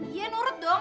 iya nurut dong